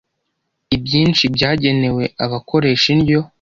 ibyinshi byagenewe abakoresha indyo.